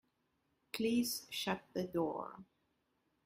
Please shut the door.